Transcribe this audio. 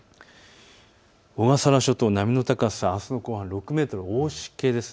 小笠原諸島は波の高さ、あすの後半６メートルと大しけです。